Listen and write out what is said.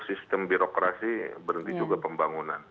sistem birokrasi berhenti juga pembangunan